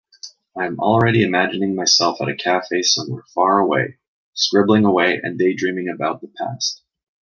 I am already imagining myself at a cafe somewhere far away, scribbling away and daydreaming about the past.